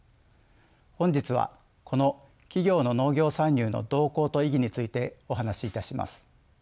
本日はこの企業の農業参入の動向と意義についてお話しいたします。